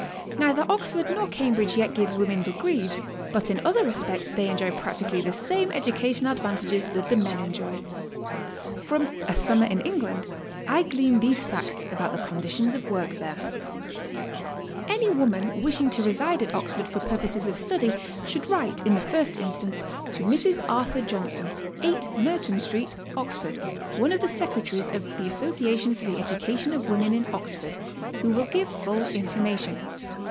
Neither Oxford nor Cambridge yet gives women degrees, but in other respects they enjoy practically the same educational advantages that the men enjoy. From '*A Summer in England" I glean these facts about the con ditions of work there: — Any woman wishing to reside at Oxford for purposes of study should write, in the first instance, to Mrs. Arthur Johnson, 8 Merton Street, Oxford, one of the Secretaries of the Association for the Education of Women in Oxford, who will give full information.